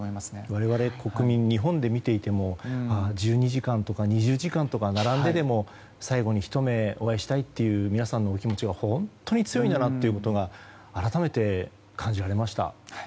我々、国民日本で見ていても１２時間とか２０時間とか並んででも最後にひと目お会いしたいという皆さんのお気持ちが本当に強いんだなということが改めて感じられました。